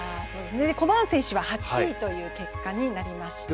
コバーン選手は８位という結果になりました。